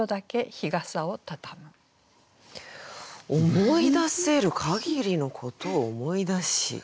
「思い出せるかぎりのことを思い出し」。